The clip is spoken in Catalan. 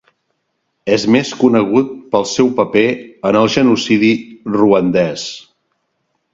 És més conegut pel seu paper en el genocidi ruandès.